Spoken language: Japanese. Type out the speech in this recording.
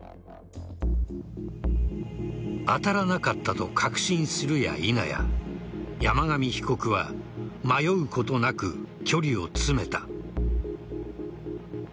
当たらなかったと確信するやいなや山上被告は迷うことなく距離を詰めた。